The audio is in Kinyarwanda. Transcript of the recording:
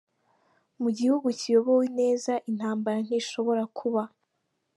Mu gihugu kiyobowe neza intambara ntishobora kuba